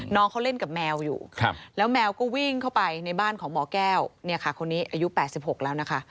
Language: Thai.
น้องเขาเล่นกับแมวอยู่แล้วแมวก็วิ่งเข้าไปในบ้านของหมอแก้วเนี่ยค่ะคนนี้อายุ๘๖แล้วนะคะ